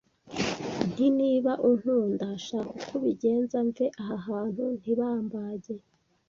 Nti niba unkunda shaka uko ubigenza mve aha hantu ntibambage